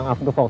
yah ini flip